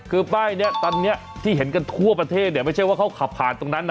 คือป้ายนี้ตอนนี้ที่เห็นกันทั่วประเทศเนี่ยไม่ใช่ว่าเขาขับผ่านตรงนั้นนะ